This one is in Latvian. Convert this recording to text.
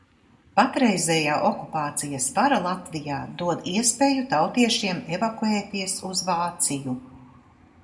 Patreizējā okupācijas vara Latvijā dod iespēju Tautiešiem evakuēties uz Vāciju.